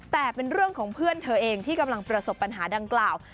แต่เป็นเรื่องของเพื่อนเธอเองที่กำลังประสบปัญหาดังกล่าว